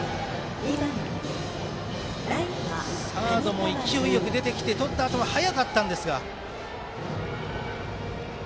サードも勢いよく出てきてとったあとも早かったんですが。